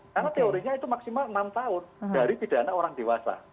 karena teorinya itu maksimal enam tahun dari pidana orang dewasa